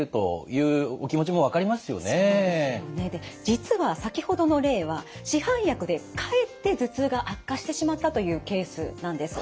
実は先ほどの例は市販薬でかえって頭痛が悪化してしまったというケースなんです。